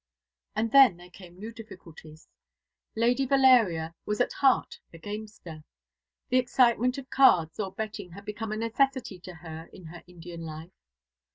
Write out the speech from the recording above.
And then there came new difficulties. Lady Valeria was at heart a gamester. The excitement of cards or betting had become a necessity to her in her Indian life.